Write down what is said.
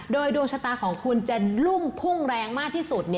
โดยดวงชะตาของคุณจะลุ่มพุ่งแรงมากที่สุด